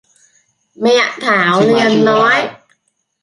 Mẹ Thảo liền nói